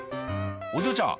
お嬢ちゃん